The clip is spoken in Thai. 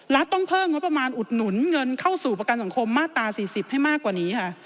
ต้องเพิ่มงบประมาณอุดหนุนเงินเข้าสู่ประกันสังคมมาตรา๔๐ให้มากกว่านี้ค่ะ